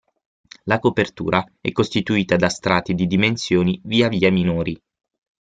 La copertura è costituita da strati di dimensioni via via minori.